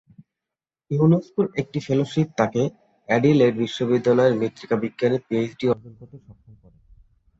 ইউনেস্কোর একটি ফেলোশিপ তাকে অ্যাডিলেড বিশ্ববিদ্যালয়ের মৃত্তিকা বিজ্ঞানে পিএইচডি অর্জন করতে সক্ষম করে।